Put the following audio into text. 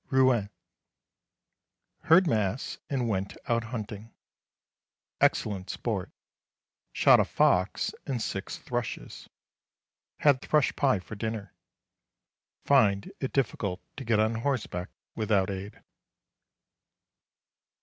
Rouen. Heard Mass and went out hunting. Excellent sport. Shot a fox and six thrushes. Had thrush pie for dinner. Find it difficult to get on horse back without aid.